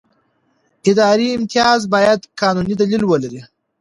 اداري امتیاز باید قانوني دلیل ولري.